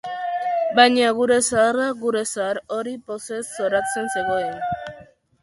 Baina gure zaharra, gure zahar hori, pozez zoratzen zegoen.